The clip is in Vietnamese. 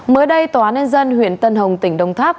mới đây tòa án nhân dân huyện tân hồng tỉnh đông tháp